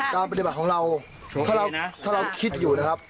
การปฏิบัติของเราถ้าเราคิดอยู่นะครับ